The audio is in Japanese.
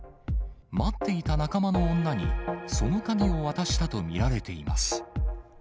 待っていた仲間の女に、その鍵を渡したと見られています。